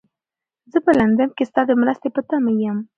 زه په لندن کې ستا د مرستې په تمه یم.